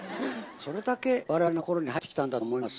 それだけ我々の心に入ってきたんだと思います。